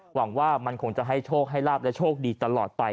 หวังว่ามันคงจะให้โชคให้ลาบและโชคดีตลอดไป